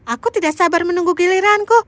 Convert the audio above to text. aku tidak sabar menunggu giliranku